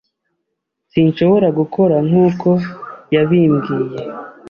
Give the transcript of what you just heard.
Sinshobora gukora nkuko yabimbwiye.